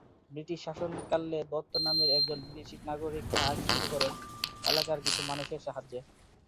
British শাসনকালে দত্ত নামের একজন ব্রিটিশ নাগরিক চাষ শুরু করেন এলাকার কিছু মানুষের সাহায্যে।